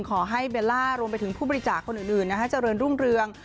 เบลล่ารวมไปถึงผู้บริจาคคนอื่นเจริญรุ่งเรือง